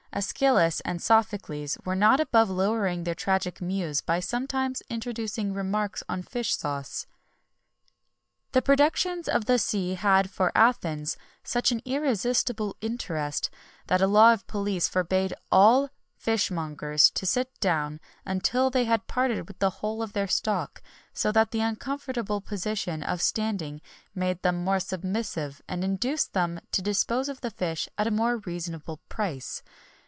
Æschylus and Sophocles were not above lowering their tragic muse by sometimes introducing remarks on fish sauce. The productions of the sea had for Athens such an irresistible interest, that a law of police forbad all fishmongers to sit down until they had parted with the whole of their stock; so that the uncomfortable position of standing made them more submissive, and induced them to dispose of the fish at a more reasonable price.